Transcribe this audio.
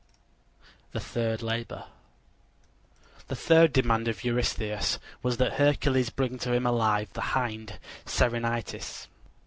THE THIRD LABOR The third demand of Eurystheus was that Hercules bring to him alive the hind Cerynitis.